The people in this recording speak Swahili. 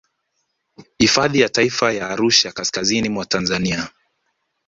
Hifadhi ya taifa ya Arusha kaskazini mwa Tanzania